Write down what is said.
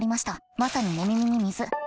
まさに寝耳に水。